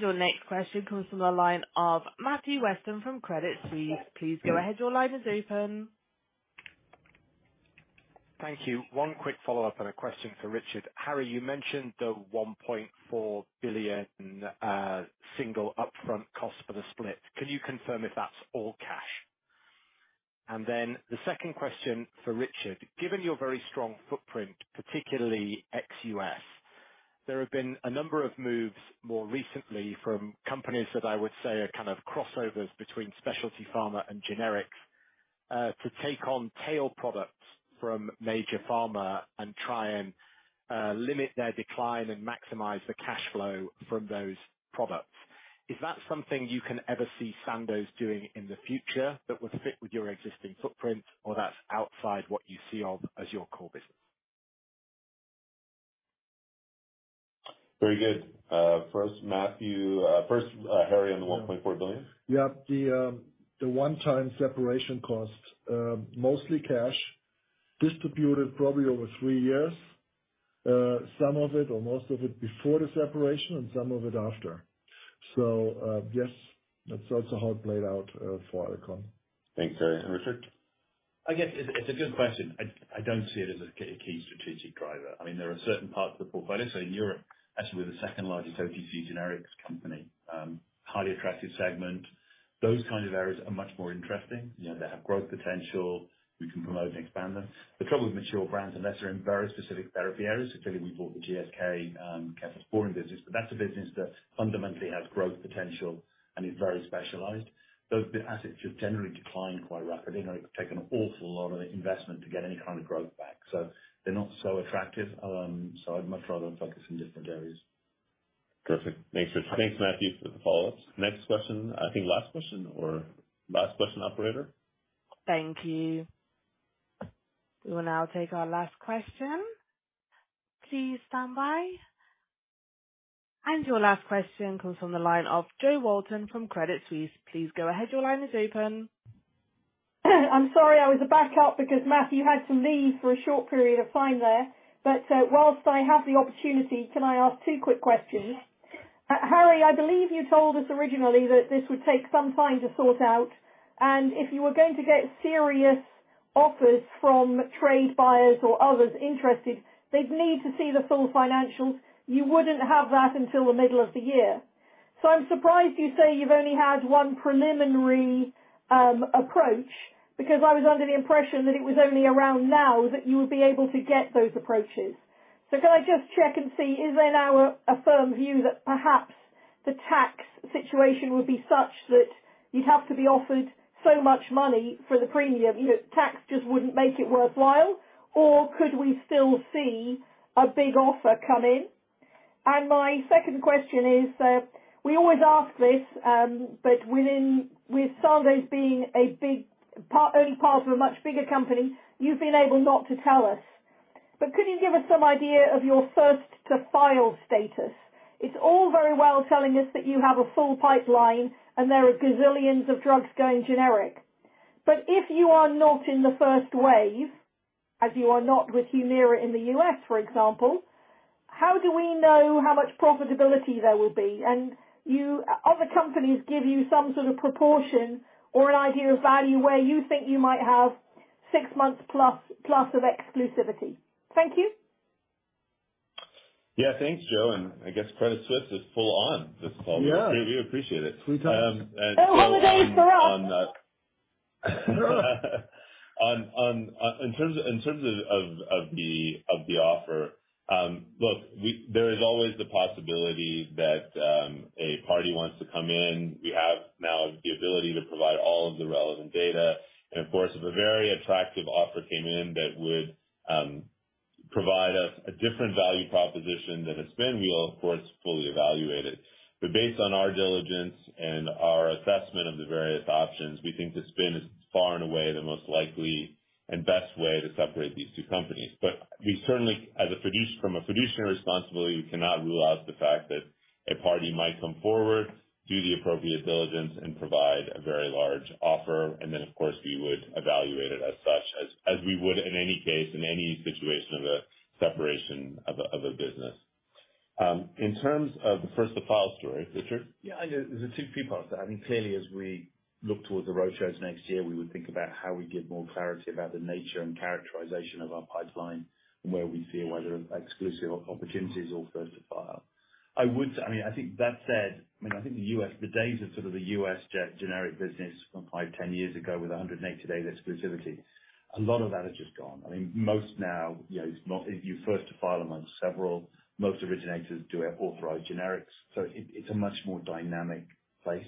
Your next question comes from the line of Matthew Weston from Credit Suisse. Please go ahead. Your line is open. Thank you. One quick follow-up and a question for Richard. Harry, you mentioned the $1.4 billion single upfront cost for the split. Can you confirm if that's all cash? Then the second question for Richard. Given your very strong footprint, particularly ex-US, there have been a number of moves more recently from companies that I would say are kind of crossovers between specialty pharma and generics to take on tail products from major pharma and try and limit their decline and maximize the cash flow from those products. Is that something you can ever see Sandoz doing in the future that would fit with your existing footprint or that's outside what you see as your core business? Very good. First, Harry on the $1.4 billion. Yeah. The one-time separation cost, mostly cash, distributed probably over three years, some of it or most of it before the separation and some of it after. Yes, that's also how it played out for Alcon. Thanks, Harry. Richard? I guess it's a good question. I don't see it as a key strategic driver. I mean, there are certain parts of the portfolio. Say, in Europe, actually we're the second largest OTC generics company, highly attractive segment. Those kinds of areas are much more interesting. You know, they have growth potential. We can promote and expand them. The trouble with mature brands, unless they're in very specific therapy areas, clearly we bought the GSK cephalosporin business, but that's a business that fundamentally has growth potential and is very specialized. Those assets just generally decline quite rapidly, and it would take an awful lot of investment to get any kind of growth back. They're not so attractive. I'd much rather focus in different areas. Perfect. Thanks, Rich. Thanks, Matthew, for the follow-ups. Next question. I think last question, operator? Thank you. We will now take our last question. Please stand by. Your last question comes from the line of Jo Walton from Credit Suisse. Please go ahead. Your line is open. I'm sorry I was a backup because Matthew had to leave for a short period of time there. While I have the opportunity, can I ask two quick questions? Harry, I believe you told us originally that this would take some time to sort out, and if you were going to get serious offers from trade buyers or others interested, they'd need to see the full financials. You wouldn't have that until the middle of the year. I'm surprised you say you've only had one preliminary approach, because I was under the impression that it was only around now that you would be able to get those approaches. Can I just check and see, is there now a firm view that perhaps the tax situation would be such that you'd have to be offered so much money for the premium that tax just wouldn't make it worthwhile, or could we still see a big offer come in? My second question is, we always ask this, but with Sandoz being a big part, only part of a much bigger company, you've been able not to tell us. Could you give us some idea of your first-to-file status? It's all very well telling us that you have a full pipeline and there are gazillions of drugs going generic. If you are not in the first wave, as you are not with Humira in the U.S., for example, how do we know how much profitability there will be? You other companies give you some sort of proportion or an idea of value where you think you might have six months plus of exclusivity. Thank you. Yeah, thanks, Jo. I guess Credit Suisse is full on this call. Yeah. We appreciate it. Three times. The holiday is for us. In terms of the offer, there is always the possibility that a party wants to come in. We have now the ability to provide all of the relevant data. Of course, if a very attractive offer came in, that would provide us a different value proposition than a spin. We will of course fully evaluate it. Based on our diligence and our assessment of the various options, we think the spin is far and away the most likely and best way to separate these two companies. We certainly, from a fiduciary responsibility, we cannot rule out the fact that a party might come forward, do the appropriate diligence, and provide a very large offer. Of course, we would evaluate it as such, as we would in any case, in any situation of a business. In terms of the first-to-file story, Richard? Yeah, I know. There are two key parts to that. I mean, clearly as we look towards the roadshows next year, we would think about how we give more clarity about the nature and characterization of our pipeline and where we see whether exclusive opportunities or first to file. I would say. I mean, I think that said, I mean, I think the U.S., the days of sort of the U.S. generics business from 5, 10 years ago with a 180-day exclusivity, a lot of that is just gone. I mean, most now, you know, it's not. You're first to file among several. Most originators do have authorized generics, so it's a much more dynamic place.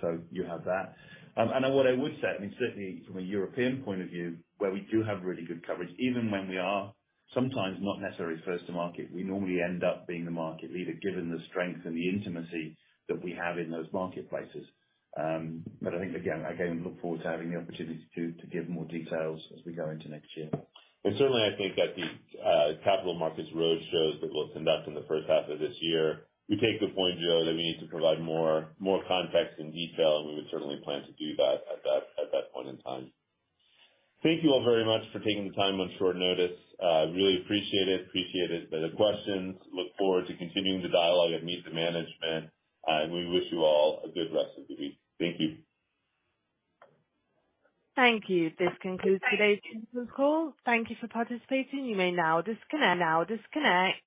So you have that. What I would say, I mean, certainly from a European point of view, where we do have really good coverage, even when we are sometimes not necessarily first to market, we normally end up being the market leader, given the strength and the intimacy that we have in those marketplaces. I think again, we look forward to having the opportunity to give more details as we go into next year. Certainly I think that the capital markets roadshows that we'll conduct in the first half of this year, we take the point, Jo, that we need to provide more context and detail, and we would certainly plan to do that at that point in time. Thank you all very much for taking the time on short notice. Really appreciate it. Appreciated the questions. Look forward to continuing the dialogue at Meet the Management. We wish you all a good rest of the week. Thank you. Thank you. This concludes today's call. Thank you for participating. You may now disconnect.